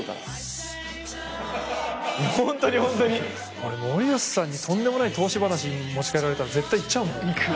俺森保さんにとんでもない投資話持ち掛けられたら絶対いっちゃうもん。